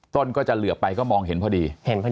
ก็จะเหลือไปก็มองเห็นพอดี